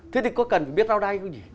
thế thì cô cần phải biết rau đay không nhỉ